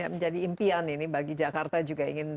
menjadi impian ini bagi jakarta juga ingin